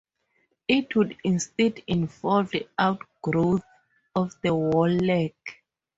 It would instead involve outgrowths of the wall leg.